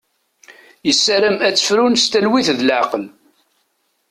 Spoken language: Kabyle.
Yessaram ad tefrun s talwit d leɛqel.